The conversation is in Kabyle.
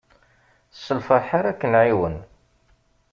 S lferḥ ara k-nɛiwen.